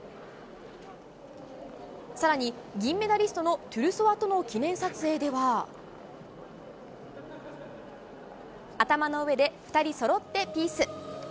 更に銀メダリストのトゥルソワとの記念撮影では頭の上で２人そろってピース。